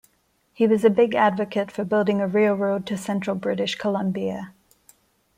He was a big advocate for building a railroad to central British Columbia.